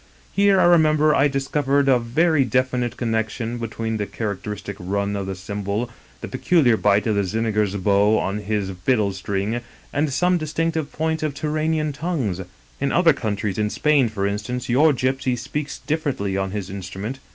Here, I remember, I discovered a very definite connection between the characteristic run of the tsimbol, the peculiar bite of the Zigeuner's bow on his fiddle string, and some distinctive points of Turanian tongues. In other countries, in Spain, for instance, your gypsy speaks differently on his instrument.